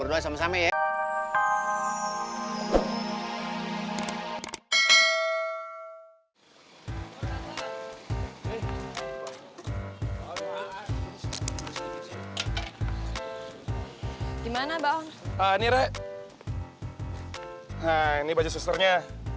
nah ini baju susternya